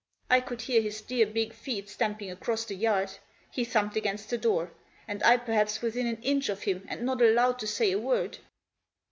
I could hear his dear big feet stamping across the yard. He thumped against the door — and I perhaps within an inch of him and not allowed to say a word.